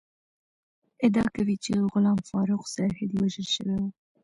ادعا کوي چې غلام فاروق سرحدی وژل شوی ؤ